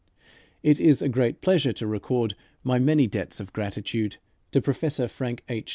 It is a pleasure to record my many debts of gratitude: to Professor Frank H.